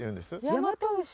大和牛？